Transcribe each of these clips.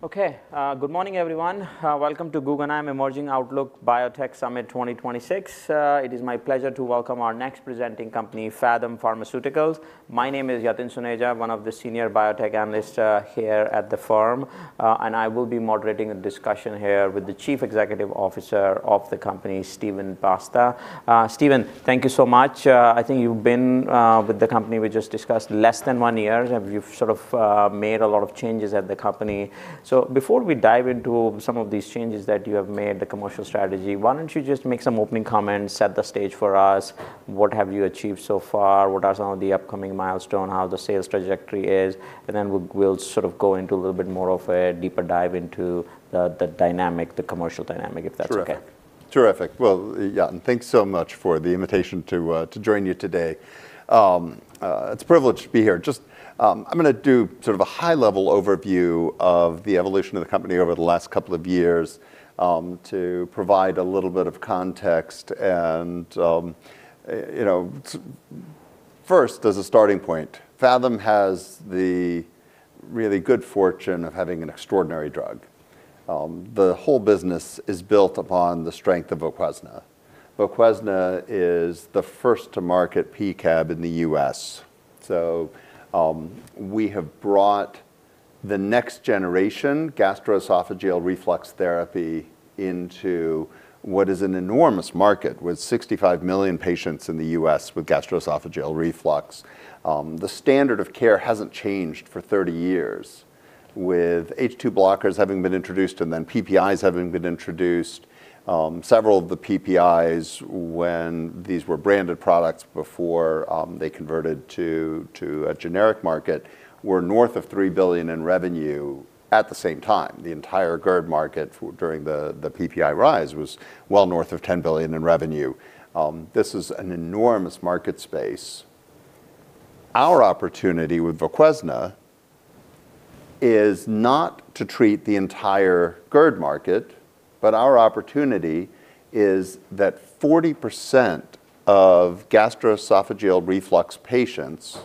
Okay, good morning, everyone. Welcome to Guggenheim Emerging Outlook Biotech Summit 2026. It is my pleasure to welcome our next presenting company, Phathom Pharmaceuticals. My name is Yatin Suneja, one of the senior biotech analysts here at the firm. I will be moderating a discussion here with the Chief Executive Officer of the company, Steven Basta. Steven, thank you so much. I think you've been with the company we just discussed less than one year, and you've sort of made a lot of changes at the company. So before we dive into some of these changes that you have made, the commercial strategy, why don't you just make some opening comments, set the stage for us? What have you achieved so far? What are some of the upcoming milestone, how the sales trajectory is? And then we'll sort of go into a little bit more of a deeper dive into the commercial dynamic, if that's okay. Terrific. Terrific. Well, Yatin, thanks so much for the invitation to join you today. It's a privilege to be here. Just, I'm gonna do sort of a high-level overview of the evolution of the company over the last couple of years, to provide a little bit of context. And, you know, first, as a starting point, Phathom has the really good fortune of having an extraordinary drug. The whole business is built upon the strength of VOQUEZNA. VOQUEZNA is the first to market P-CAB in the U.S. So, we have brought the next generation gastroesophageal reflux therapy into what is an enormous market, with 65 million patients in the U.S. with gastroesophageal reflux. The standard of care hasn't changed for 30 years, with H2 blockers having been introduced, and then PPIs having been introduced. Several of the PPIs, when these were branded products before, they converted to a generic market, were north of $3 billion in revenue at the same time. The entire GERD market during the PPI rise was well north of $10 billion in revenue. This is an enormous market space. Our opportunity with VOQUEZNA is not to treat the entire GERD market, but our opportunity is that 40% of gastroesophageal reflux patients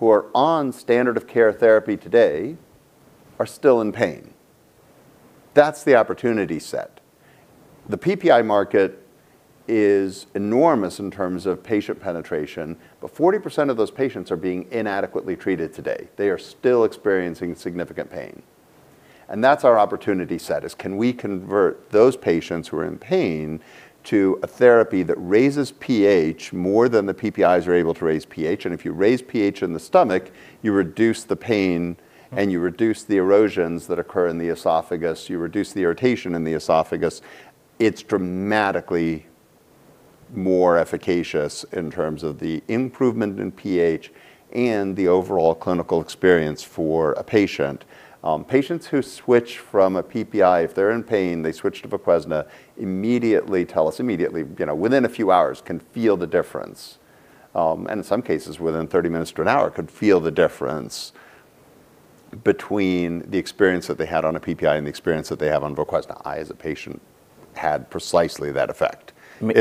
who are on standard of care therapy today are still in pain. That's the opportunity set. The PPI market is enormous in terms of patient penetration, but 40% of those patients are being inadequately treated today. They are still experiencing significant pain, and that's our opportunity set, is can we convert those patients who are in pain to a therapy that raises pH more than the PPIs are able to raise pH? And if you raise pH in the stomach, you reduce the pain, and you reduce the erosions that occur in the esophagus, you reduce the irritation in the esophagus. It's dramatically more efficacious in terms of the improvement in pH and the overall clinical experience for a patient. Patients who switch from a PPI, if they're in pain, they switch to VOQUEZNA, immediately tell us, immediately, you know, within a few hours, can feel the difference, and in some cases, within 30 minutes to an hour, could feel the difference between the experience that they had on a PPI and the experience that they have on VOQUEZNA. I, as a patient, had precisely that effect. Me as well.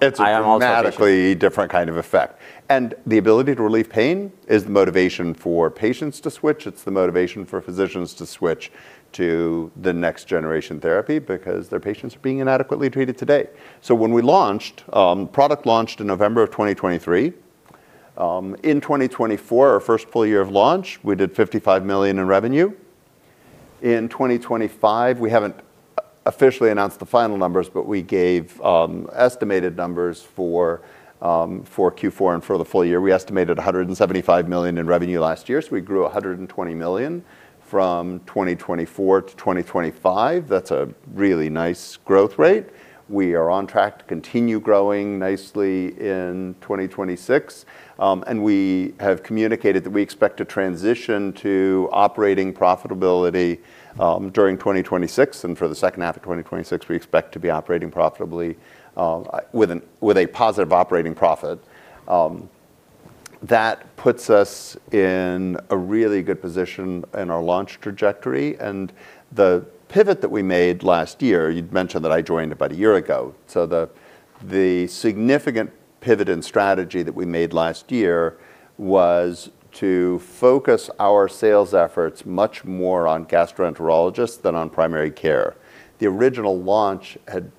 It's a dra- I am also a patient. It's a dramatically different kind of effect. And the ability to relieve pain is the motivation for patients to switch. It's the motivation for physicians to switch to the next generation therapy because their patients are being inadequately treated today. So when we launched, product launched in November of 2023. In 2024, our first full year of launch, we did $55 million in revenue. In 2025, we haven't officially announced the final numbers, but we gave estimated numbers for Q4 and for the full year. We estimated $175 million in revenue last year, so we grew $120 million from 2024 to 2025. That's a really nice growth rate. We are on track to continue growing nicely in 2026. We have communicated that we expect to transition to operating profitability during 2026, and for the second half of 2026, we expect to be operating profitably with a positive operating profit. That puts us in a really good position in our launch trajectory. The pivot that we made last year, you'd mentioned that I joined about a year ago, so the significant pivot in strategy that we made last year was to focus our sales efforts much more on gastroenterologists than on primary care. The original launch had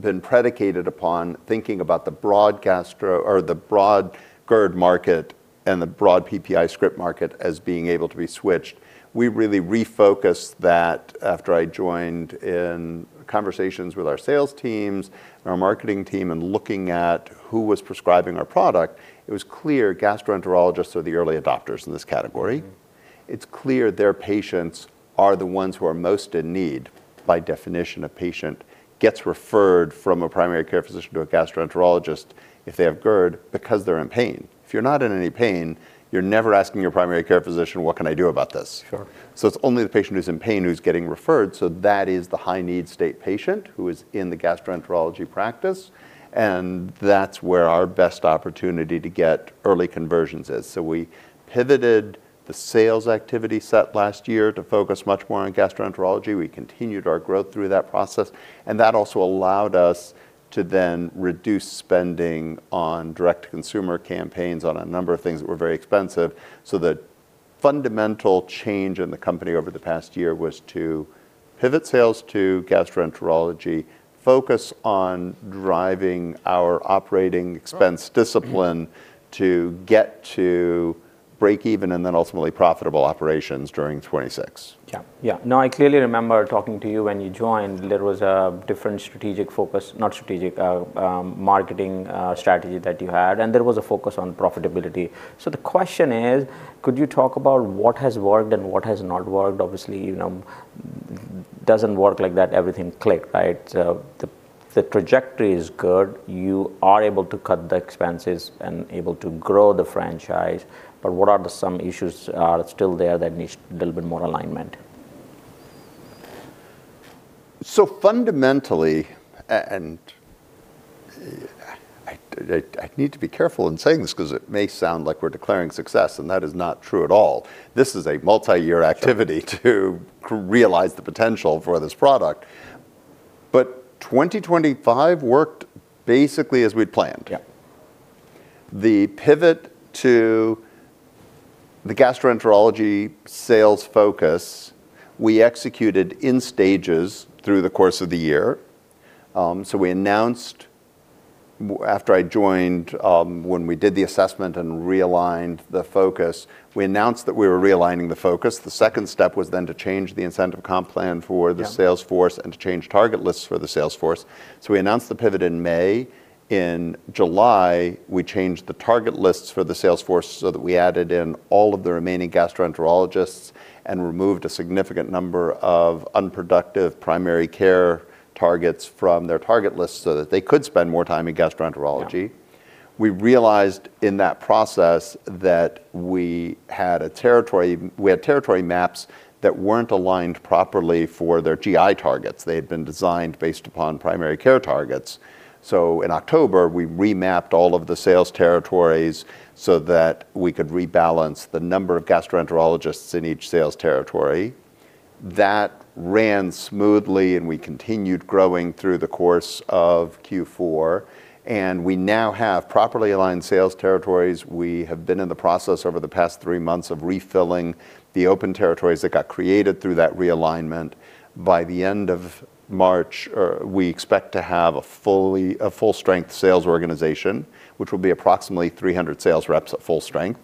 been predicated upon thinking about the broad gastro or the broad GERD market and the broad PPI script market as being able to be switched. We really refocused that after I joined in conversations with our sales teams and our marketing team and looking at who was prescribing our product. It was clear gastroenterologists are the early adopters in this category. It's clear their patients are the ones who are most in need. By definition, a patient gets referred from a primary care physician to a gastroenterologist if they have GERD because they're in pain. If you're not in any pain, you're never asking your primary care physician: What can I do about this? Sure. So it's only the patient who's in pain, who's getting referred, so that is the high-need state patient who is in the gastroenterology practice, and that's where our best opportunity to get early conversions is. So we pivoted the sales activity set last year to focus much more on gastroenterology. We continued our growth through that process, and that also allowed us to then reduce spending on direct-to-consumer campaigns, on a number of things that were very expensive. Fundamental change in the company over the past year was to pivot sales to gastroenterology, focus on driving our operating expense discipline. -to get to break even, and then ultimately profitable operations during 2026. Yeah. Yeah. No, I clearly remember talking to you when you joined. There was a different strategic focus, not strategic, marketing strategy that you had, and there was a focus on profitability. So the question is: could you talk about what has worked and what has not worked? Obviously, you know, doesn't work like that, everything clicked, right? So the trajectory is good. You are able to cut the expenses and able to grow the franchise, but what are the some issues are still there that needs a little bit more alignment? So fundamentally, I need to be careful in saying this 'cause it may sound like we're declaring success, and that is not true at all. This is a multi-year activity to realize the potential for this product. But 2025 worked basically as we'd planned. Yeah. The pivot to the gastroenterology sales focus, we executed in stages through the course of the year. So we announced after I joined, when we did the assessment and realigned the focus, we announced that we were realigning the focus. The second step was then to change the incentive comp plan for- Yeah... the sales force and to change target lists for the sales force. So we announced the pivot in May. In July, we changed the target lists for the sales force so that we added in all of the remaining gastroenterologists and removed a significant number of unproductive primary care targets from their target list so that they could spend more time in gastroenterology. Yeah. We realized in that process that we had territory maps that weren't aligned properly for their GI targets. They had been designed based upon primary care targets. So in October, we remapped all of the sales territories so that we could rebalance the number of gastroenterologists in each sales territory. That ran smoothly, and we continued growing through the course of Q4, and we now have properly aligned sales territories. We have been in the process over the past three months of refilling the open territories that got created through that realignment. By the end of March, we expect to have a full-strength sales organization, which will be approximately 300 sales reps at full strength.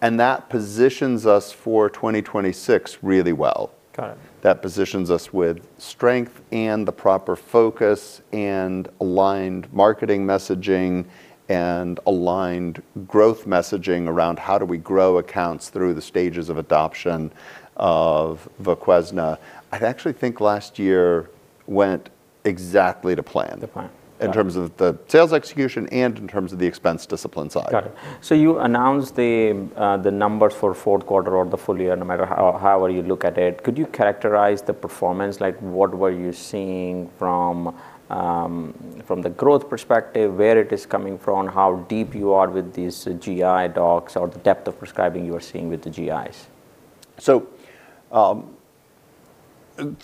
And that positions us for 2026 really well. Got it. That positions us with strength and the proper focus, and aligned marketing messaging, and aligned growth messaging around how do we grow accounts through the stages of adoption of VOQUEZNA. I actually think last year went exactly to plan- To plan. in terms of the sales execution and in terms of the expense discipline side. Got it. So you announced the numbers for fourth quarter or the full year, no matter how, however you look at it. Could you characterize the performance? Like, what were you seeing from the growth perspective, where it is coming from, how deep you are with these GI docs, or the depth of prescribing you are seeing with the GIs? So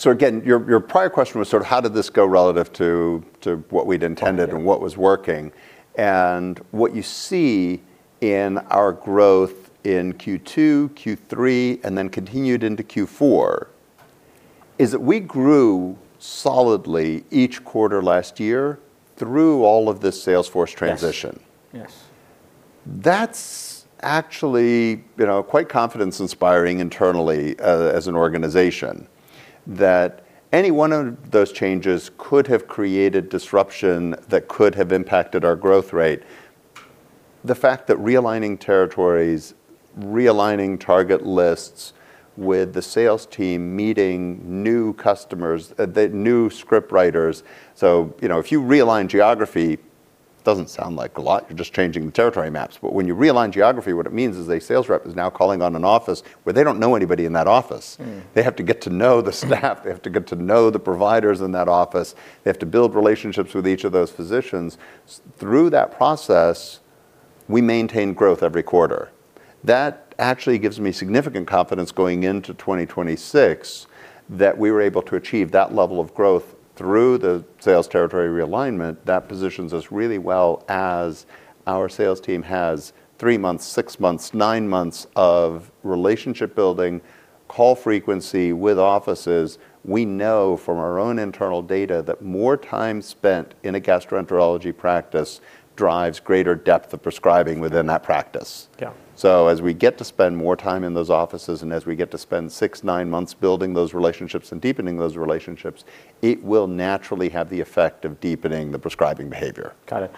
again, your prior question was sort of how did this go relative to what we'd intended- Yeah... and what was working? And what you see in our growth in Q2, Q3, and then continued into Q4, is that we grew solidly each quarter last year through all of this sales force transition. Yes. Yes. That's actually, you know, quite confidence inspiring internally, as an organization, that any one of those changes could have created disruption that could have impacted our growth rate. The fact that realigning territories, realigning target lists with the sales team, meeting new customers, the new script writers... So, you know, if you realign geography, doesn't sound like a lot, you're just changing the territory maps. But when you realign geography, what it means is a sales rep is now calling on an office where they don't know anybody in that office. They have to get to know the staff, they have to get to know the providers in that office. They have to build relationships with each of those physicians. Through that process, we maintain growth every quarter. That actually gives me significant confidence going into 2026, that we were able to achieve that level of growth through the sales territory realignment. That positions us really well as our sales team has 3 months, 6 months, 9 months of relationship building, call frequency with offices. We know from our own internal data that more time spent in a gastroenterology practice drives greater depth of prescribing within that practice. Yeah. So as we get to spend more time in those offices, and as we get to spend 6, 9 months building those relationships and deepening those relationships, it will naturally have the effect of deepening the prescribing behavior. Got it.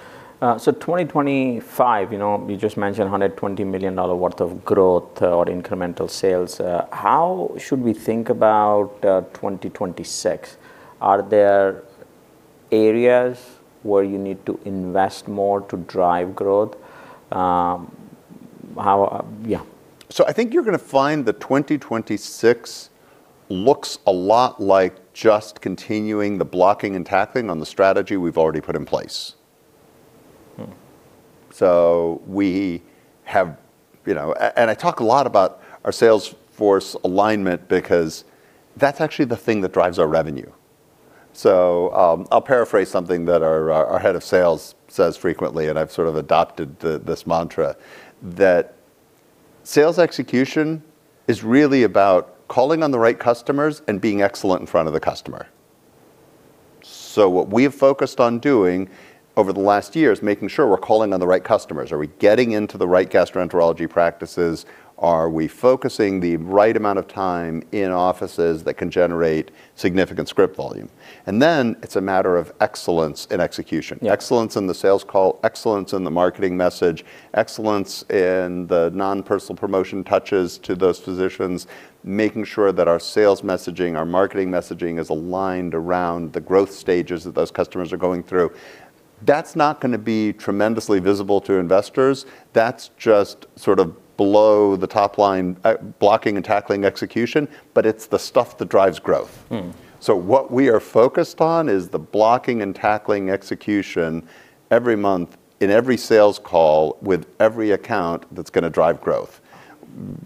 So 2025, you know, you just mentioned $120 million worth of growth or incremental sales. How should we think about 2026? Are there areas where you need to invest more to drive growth? Yeah. I think you're gonna find that 2026 looks a lot like just continuing the blocking and tackling on the strategy we've already put in place. So we have... You know, and I talk a lot about our sales force alignment, because that's actually the thing that drives our revenue.... So, I'll paraphrase something that our head of sales says frequently, and I've sort of adopted this mantra, that sales execution is really about calling on the right customers and being excellent in front of the customer. So what we've focused on doing over the last year is making sure we're calling on the right customers. Are we getting into the right gastroenterology practices? Are we focusing the right amount of time in offices that can generate significant script volume? And then it's a matter of excellence in execution. Yeah. Excellence in the sales call, excellence in the marketing message, excellence in the non-personal promotion touches to those physicians, making sure that our sales messaging, our marketing messaging is aligned around the growth stages that those customers are going through. That's not gonna be tremendously visible to investors. That's just sort of below the top line, blocking and tackling execution, but it's the stuff that drives growth. So what we are focused on is the blocking and tackling execution every month in every sales call with every account that's gonna drive growth.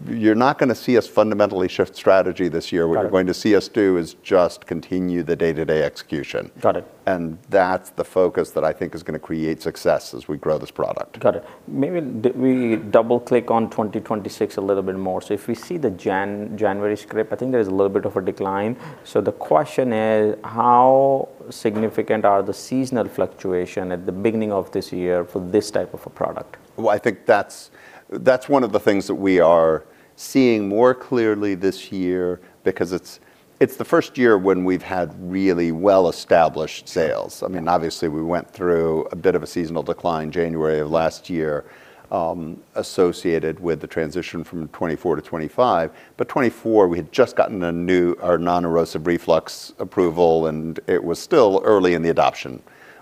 You're not gonna see us fundamentally shift strategy this year. Got it. What you're going to see us do is just continue the day-to-day execution. Got it. That's the focus that I think is gonna create success as we grow this product. Got it. Maybe we double-click on 2026 a little bit more. So if we see the January script, I think there is a little bit of a decline. So the question is, how significant are the seasonal fluctuation at the beginning of this year for this type of a product? Well, I think that's, that's one of the things that we are seeing more clearly this year because it's, it's the first year when we've had really well-established sales. Yeah. I mean, obviously, we went through a bit of a seasonal decline January of last year, associated with the transition from 2024 to 2025. But 2024, we had just gotten our non-erosive reflux approval, and it was still early in the adoption.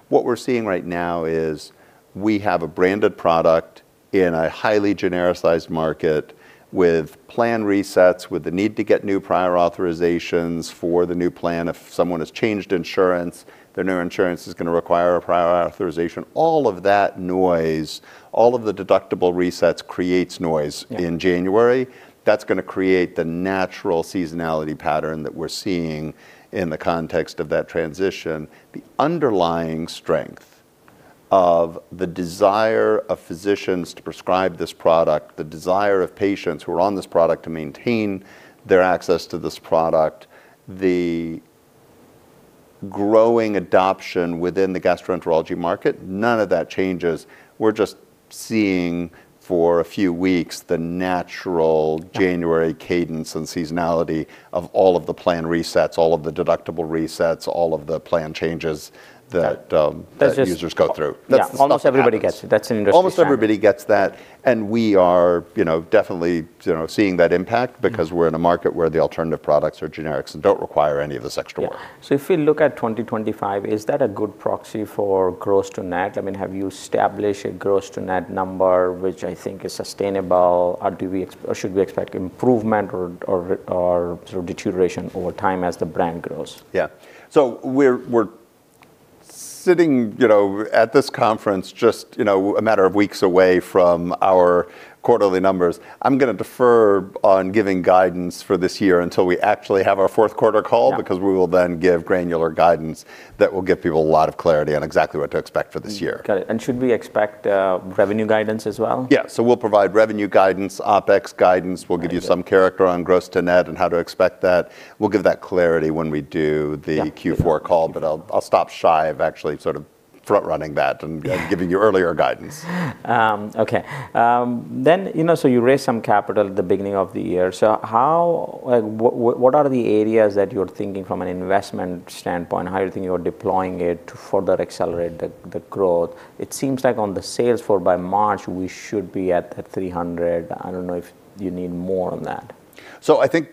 What we're seeing right now is we have a branded product in a highly genericized market with plan resets, with the need to get new prior authorizations for the new plan. If someone has changed insurance, their new insurance is gonna require a prior authorization. All of that noise, all of the deductible resets creates noise- Yeah... in January. That's gonna create the natural seasonality pattern that we're seeing in the context of that transition. The underlying strength of the desire of physicians to prescribe this product, the desire of patients who are on this product to maintain their access to this product, the growing adoption within the gastroenterology market, none of that changes. We're just seeing for a few weeks, the natural January cadence and seasonality of all of the plan resets, all of the deductible resets, all of the plan changes that, That's just- that users go through. Yeah. That's the stuff that happens. Almost everybody gets it. That's an industry standard. Almost everybody gets that, and we are, you know, definitely, you know, seeing that impact because we're in a market where the alternative products are generics and don't require any of this extra work. Yeah. So if we look at 2025, is that a good proxy for gross-to-net? I mean, have you established a gross-to-net number which I think is sustainable, or do we, or should we expect improvement or sort of deterioration over time as the brand grows? Yeah. So we're sitting, you know, at this conference, just, you know, a matter of weeks away from our quarterly numbers. I'm gonna defer on giving guidance for this year until we actually have our fourth quarter call- Yeah... because we will then give granular guidance that will give people a lot of clarity on exactly what to expect for this year. Got it. And should we expect revenue guidance as well? Yeah. So we'll provide revenue guidance, OpEx guidance. Got it. We'll give you some color on gross-to-net and how to expect that. We'll give that clarity when we do the- Yeah... Q4 call, but I'll stop shy of actually sort of front-running that and giving you earlier guidance. Okay. Then, you know, so you raised some capital at the beginning of the year. So how, what are the areas that you're thinking from an investment standpoint? How are you thinking you're deploying it to further accelerate the growth? It seems like on the sales force by March, we should be at 300. I don't know if you need more on that. So I think,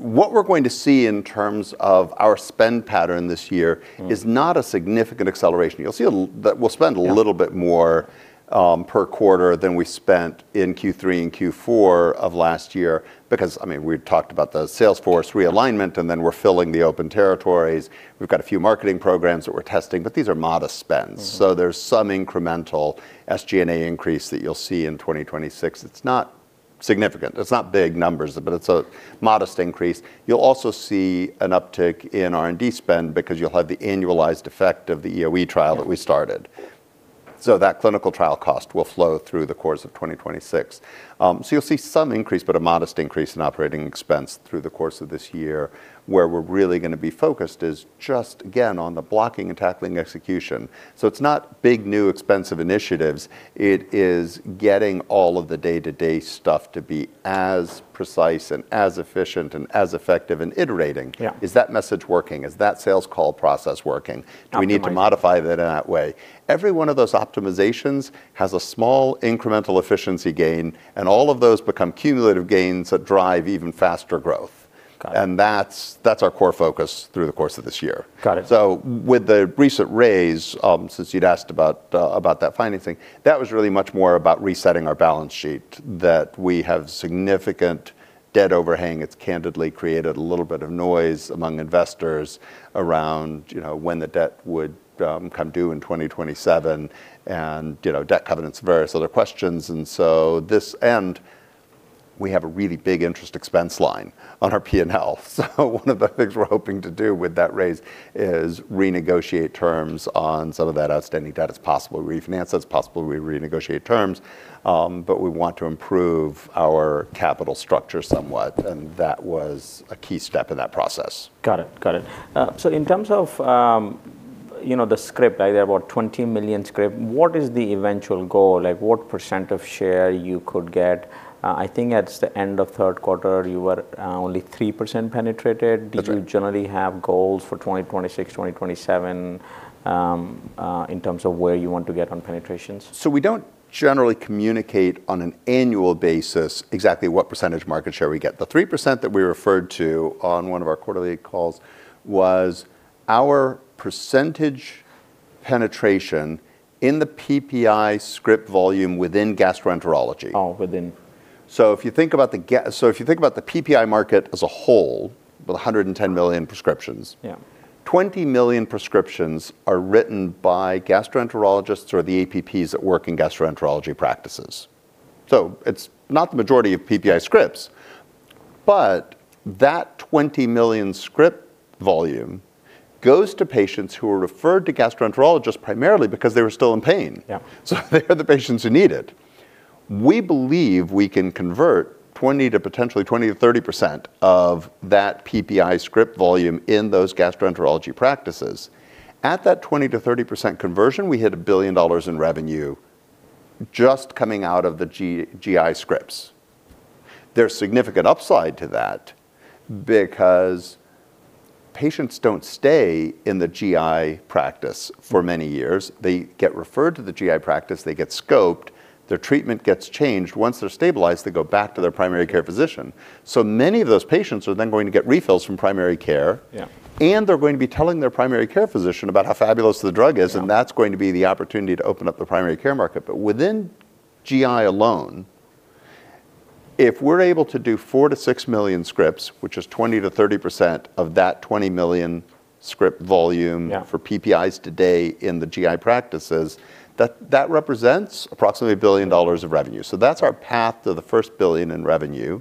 what we're going to see in terms of our spend pattern this year is not a significant acceleration. You'll see that we'll spend- Yeah... a little bit more per quarter than we spent in Q3 and Q4 of last year, because, I mean, we talked about the sales force realignment, and then we're filling the open territories. We've got a few marketing programs that we're testing, but these are modest spends. There's some incremental SG&A increase that you'll see in 2026. It's not significant. It's not big numbers, but it's a modest increase. You'll also see an uptick in R&D spend because you'll have the annualized effect of the EoE trial that we started. Yeah. So that clinical trial cost will flow through the course of 2026. So you'll see some increase, but a modest increase in operating expense through the course of this year. Where we're really gonna be focused is just, again, on the blocking and tackling execution. So it's not big, new, expensive initiatives. It is getting all of the day-to-day stuff to be as precise and as efficient and as effective and iterating. Yeah. Is that message working? Is that sales call process working? Optimizing. Do we need to modify that in that way? Every one of those optimizations has a small incremental efficiency gain, and all of those become cumulative gains that drive even faster growth. Got it. That's our core focus through the course of this year. Got it. So with the recent raise, since you'd asked about that financing, that was really much more about resetting our balance sheet, that we have significant debt overhang. It's candidly created a little bit of noise among investors around, you know, when the debt would come due in 2027, and, you know, debt covenants, various other questions. And so we have a really big interest expense line on our P&L. So one of the things we're hoping to do with that raise is renegotiate terms on some of that outstanding debt. It's possible to refinance, it's possible we renegotiate terms, but we want to improve our capital structure somewhat, and that was a key step in that process. Got it. Got it. So in terms of, you know, the script, like about 20 million script, what is the eventual goal? Like, what % of share you could get? I think at the end of third quarter, you were only 3% penetrated. That's right. Do you generally have goals for 2026, 2027, in terms of where you want to get on penetrations? We don't generally communicate on an annual basis exactly what percentage market share we get. The 3% that we referred to on one of our quarterly calls was our percentage penetration in the PPI script volume within gastroenterology. Oh, within. So if you think about the PPI market as a whole, with 110 million prescriptions- Yeah.... 20 million prescriptions are written by gastroenterologists or the APPs that work in gastroenterology practices. So it's not the majority of PPI scripts, but that 20 million script volume goes to patients who were referred to gastroenterologists primarily because they were still in pain. Yeah. So they are the patients who need it. We believe we can convert 20%-30% of that PPI script volume in those gastroenterology practices. At that 20%-30% conversion, we hit $1 billion in revenue just coming out of the GI scripts. There's significant upside to that because patients don't stay in the GI practice for many years. They get referred to the GI practice, they get scoped, their treatment gets changed. Once they're stabilized, they go back to their primary care physician. So many of those patients are then going to get refills from primary care- Yeah... and they're going to be telling their primary care physician about how fabulous the drug is, and that's going to be the opportunity to open up the primary care market. But within GI alone, if we're able to do 4-6 million scripts, which is 20%-30% of that 20 million script volume- Yeah... for PPIs today in the GI practices, that represents approximately $1 billion of revenue. So that's our path to the first $1 billion in revenue,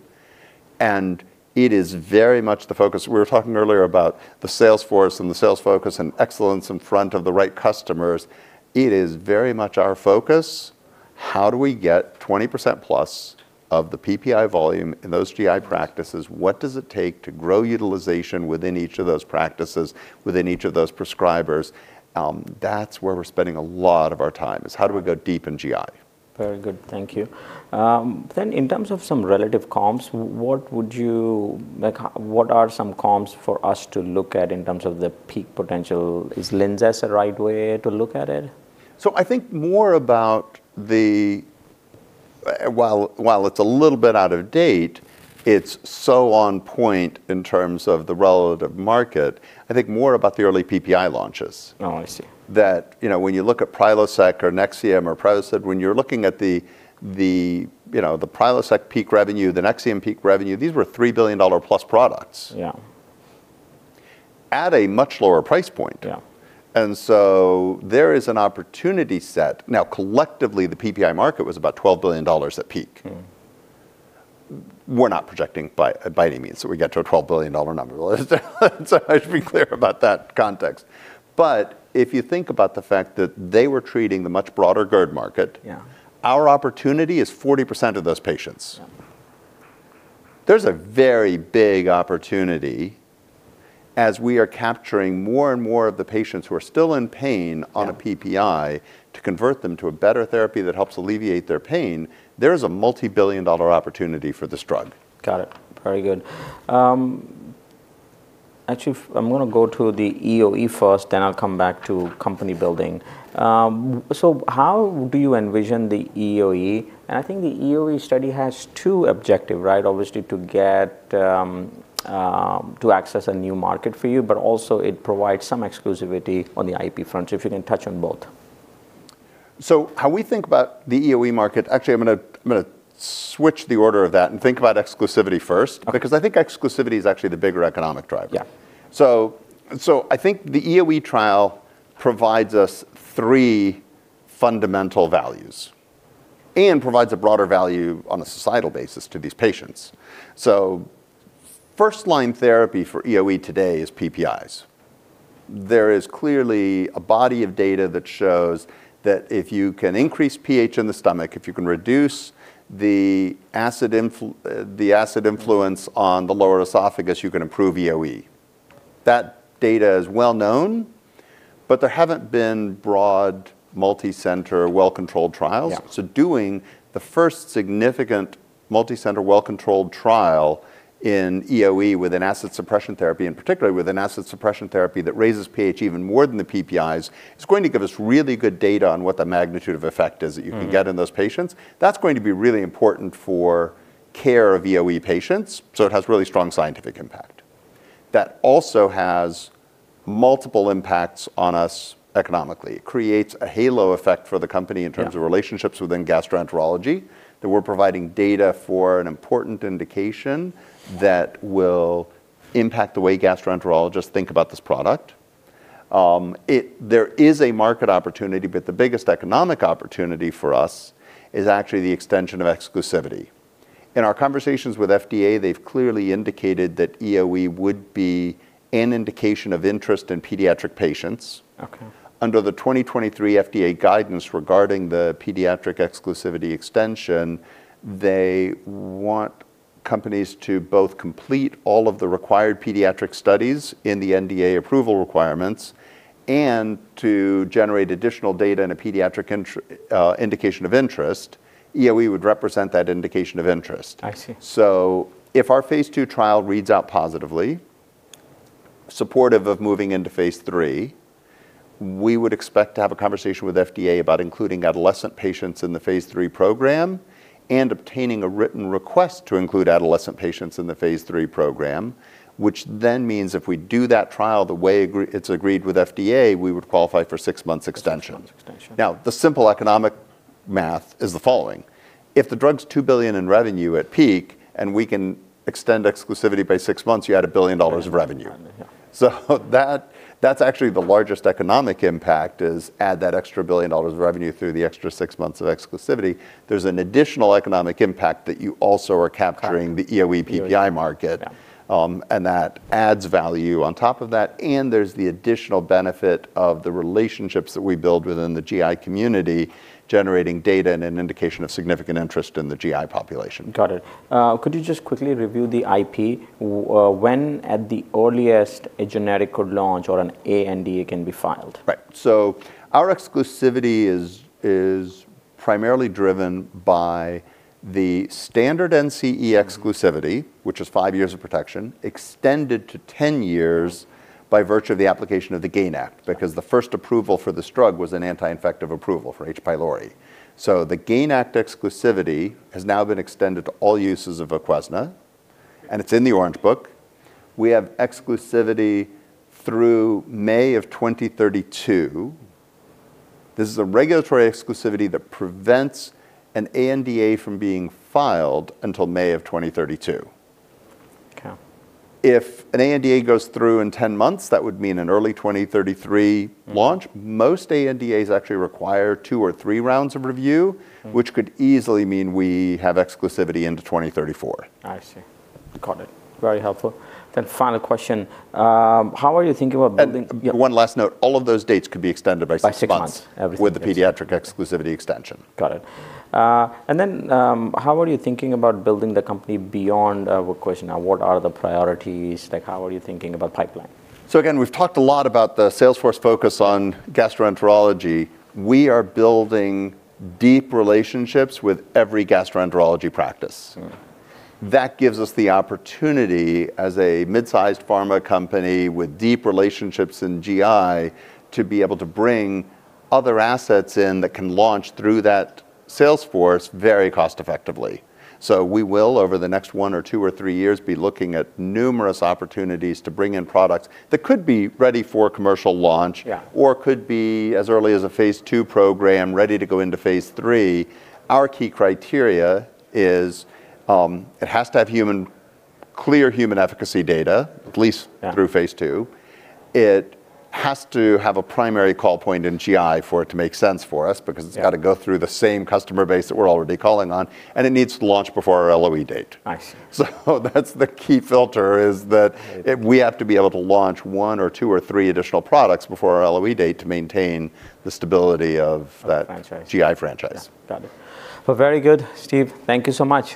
and it is very much the focus. We were talking earlier about the sales force, and the sales focus, and excellence in front of the right customers. It is very much our focus. How do we get 20%+ of the PPI volume in those GI practices? What does it take to grow utilization within each of those practices, within each of those prescribers? That's where we're spending a lot of our time, is how do we go deep in GI? Very good, thank you. Then in terms of some relative comps, what would you... Like, what are some comps for us to look at in terms of the peak potential? Is LINZESS the right way to look at it? So I think more about the while it's a little bit out of date. It's so on point in terms of the relative market. I think more about the early PPI launches. Oh, I see. That, you know, when you look at Prilosec or Nexium or Protonix, when you're looking at, you know, the Prilosec peak revenue, the Nexium peak revenue, these were $3 billion-plus products. Yeah... at a much lower price point. Yeah. And so there is an opportunity set. Now, collectively, the PPI market was about $12 billion at peak. We're not projecting by any means that we get to a $12 billion number. So I should be clear about that context. But if you think about the fact that they were treating the much broader GERD market- Yeah... our opportunity is 40% of those patients. Yeah. There's a very big opportunity as we are capturing more and more of the patients who are still in pain on- Yeah... a PPI, to convert them to a better therapy that helps alleviate their pain. There is a multibillion-dollar opportunity for this drug. Got it. Very good. Actually, I'm gonna go to the EoE first, then I'll come back to company building. So how do you envision the EoE? And I think the EoE study has two objectives, right? Obviously, to get to access a new market for you, but also it provides some exclusivity on the IP front. If you can touch on both. So how we think about the EoE market - actually, I'm gonna, I'm gonna switch the order of that and think about exclusivity first - Okay... because I think exclusivity is actually the bigger economic driver. Yeah. So, so I think the EoE trial provides us three fundamental values and provides a broader value on a societal basis to these patients. So first-line therapy for EoE today is PPIs. There is clearly a body of data that shows that if you can increase pH in the stomach, if you can reduce the acid influence on the lower esophagus, you can improve EoE. That data is well known, but there haven't been broad, multicenter, well-controlled trials. Yeah. Doing the first significant multicenter, well-controlled trial in EoE with an acid suppression therapy, and particularly with an acid suppression therapy that raises pH even more than the PPIs, is going to give us really good data on what the magnitude of effect is that you can get in those patients. That's going to be really important for care of EoE patients, so it has really strong scientific impact. That also has multiple impacts on us economically. It creates a halo effect for the company in terms- Yeah... of relationships within gastroenterology, that we're providing data for an important indication that will impact the way gastroenterologists think about this product... there is a market opportunity, but the biggest economic opportunity for us is actually the extension of exclusivity. In our conversations with FDA, they've clearly indicated that EoE would be an indication of interest in pediatric patients. Okay. Under the 2023 FDA guidance regarding the pediatric exclusivity extension, they want companies to both complete all of the required pediatric studies in the NDA approval requirements, and to generate additional data in a pediatric indication of interest. EoE would represent that indication of interest. I see. If our Phase II trial reads out positively, supportive of moving into Phase III, we would expect to have a conversation with FDA about including adolescent patients in the Phase III program, and obtaining a written request to include adolescent patients in the Phase III program, which then means if we do that trial the way it's agreed with FDA, we would qualify for 6 months extension. 6 months extension. Now, the simple economic math is the following: if the drug's $2 billion in revenue at peak, and we can extend exclusivity by six months, you add $1 billion of revenue. Yeah. So that, that's actually the largest economic impact, is add that extra $1 billion of revenue through the extra six months of exclusivity. There's an additional economic impact that you also are capturing- Correct... the EoE PPI market. Yeah. and that adds value on top of that, and there's the additional benefit of the relationships that we build within the GI community, generating data and an indication of significant interest in the GI population. Got it. Could you just quickly review the IP? When, at the earliest, a generic could launch or an ANDA can be filed? Right. So our exclusivity is primarily driven by the standard NCE exclusivity which is 5 years of protection, extended to 10 years by virtue of the application of the GAIN Act. Okay. Because the first approval for this drug was an anti-infective approval for H. pylori. So the GAIN Act exclusivity has now been extended to all users of VOQUEZNA, and it's in the Orange Book. We have exclusivity through May of 2032. This is a regulatory exclusivity that prevents an ANDA from being filed until May of 2032. Okay. If an ANDA goes through in 10 months, that would mean an early 2033 launch. Most ANDAs actually require two or three rounds of review which could easily mean we have exclusivity into 2034. I see. Got it. Very helpful. Final question, how are you thinking about building- One last note, all of those dates could be extended by six months. By 6 months. Everything... with the pediatric exclusivity extension. Got it. And then, how are you thinking about building the company beyond VOQUEZNA? What are the priorities, like, how are you thinking about pipeline? So again, we've talked a lot about the sales force focus on gastroenterology. We are building deep relationships with every gastroenterology practice. That gives us the opportunity, as a mid-sized pharma company with deep relationships in GI, to be able to bring other assets in that can launch through that sales force very cost effectively. So we will, over the next 1 or 2 or 3 years, be looking at numerous opportunities to bring in products that could be ready for a commercial launch- Yeah... or could be as early as a Phase II program, ready to go into Phase III. Our key criteria is, it has to have human, clear human efficacy data, at least- Yeah… through phase two. It has to have a primary call point in GI for it to make sense for us, because- Yeah... it's got to go through the same customer base that we're already calling on, and it needs to launch before our LOE date. I see. So that's the key filter, is that- Right... we have to be able to launch one or two or three additional products before our LOE date to maintain the stability of that- Of the franchise... GI franchise. Yeah. Got it. Well, very good, Steve. Thank you so much.